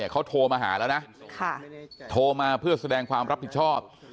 เขาโทรมาหาแล้วนะโทรมาเพื่อแสดงความรับผิดชอบ